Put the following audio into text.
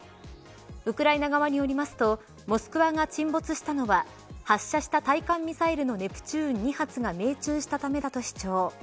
ウクライナ側によりますとモスクワが沈没したのは発射した対艦ミサイルのネプチューン２発が命中したためだと主張。